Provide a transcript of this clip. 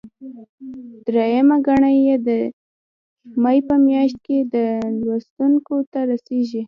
درېیمه ګڼه یې د مې په میاشت کې لوستونکو ته رسیږي.